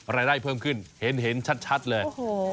รายได้เพิ่มขึ้นเห็นชัดเลย